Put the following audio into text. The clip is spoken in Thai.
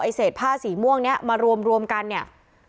เศษผ้าสีม่วงนี้มารวมกันเนี่ย